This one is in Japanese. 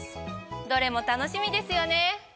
どれも楽しみですよね。